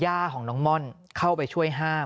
ย่าของน้องม่อนเข้าไปช่วยห้าม